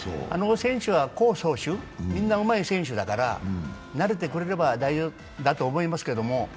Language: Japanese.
あの選手は攻走守、みんなうまい選手だから慣れてくれれば大丈夫だと思いますけれども。